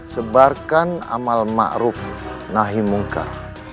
sebarkan amal ma'ruf nahi mungkar